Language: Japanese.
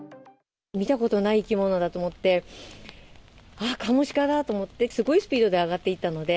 見たことない生き物だと思って、あっ、カモシカだと思って、すごいスピードで上がっていったので。